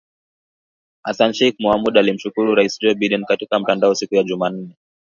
Hassan Sheikh Mohamud alimshukuru Rais Joe Biden katika mtandao siku ya Jumanne